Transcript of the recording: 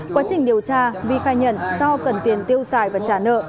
quá trình điều tra vi khai nhận do cần tiền tiêu xài và trả nợ